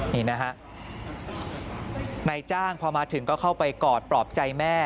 นี่นะฮะนายจ้างพอมาถึงก็เข้าไปกอดปลอบใจแม่